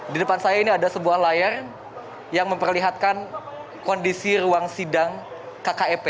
di depan saya ini ada sebuah layar yang memperlihatkan kondisi ruang sidang kkep